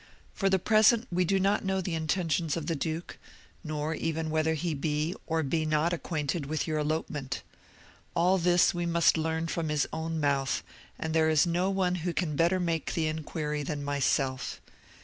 For the present we do not know the intentions of the duke, nor even whether he be or be not acquainted with your elopement. All this we must learn from his own mouth; and there is no one who can better make the inquiry than myself.